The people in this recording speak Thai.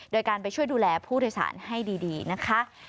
โดยการไปช่วยดูแลผู้โดยสารให้ดีนะคะ